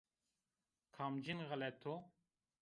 Kamcîn xelet o?